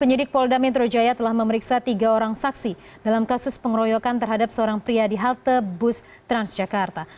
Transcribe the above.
penyidik polda metro jaya telah memeriksa tiga orang saksi dalam kasus pengeroyokan terhadap seorang pria di halte bus transjakarta